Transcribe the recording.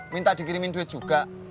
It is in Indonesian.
minta dikirimin duit juga